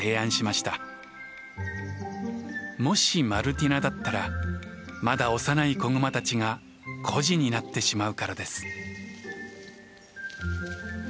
もしマルティナだったらまだ幼い子グマたちが孤児になってしまうからです。